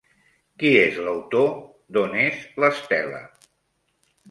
Qui és l'autor d'On és l'Estel·la?